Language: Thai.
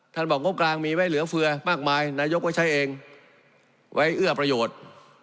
บอกงบกลางมีไว้เหลือเฟือมากมายนายกก็ใช้เองไว้เอื้อประโยชน์